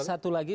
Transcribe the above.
dan satu lagi